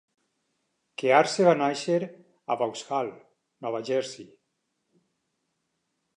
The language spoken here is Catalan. Kearse va néixer a Vauxhall, Nova Jersey.